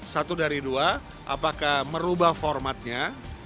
satu dari dua apakah merubah formatnya